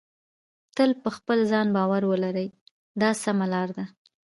تل په خپل ځان باور ولرئ دا سمه لار ده.